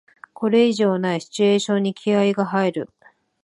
これ以上ないシチュエーションに気合いが入る